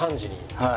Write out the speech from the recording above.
はい。